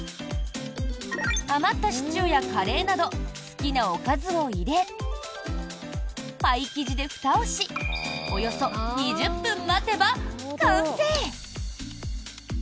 余ったシチューやカレーなど好きなおかずを入れパイ生地でふたをしおよそ２０分待てば完成！